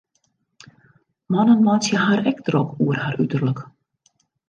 Mannen meitsje har ek drok oer har uterlik.